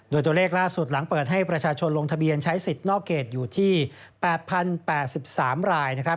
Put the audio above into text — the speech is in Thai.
โดยตัวเลขล่าสุดหลังเปิดให้ประชาชนลงทะเบียนใช้สิทธิ์นอกเกตอยู่ที่๘๐๘๓ราย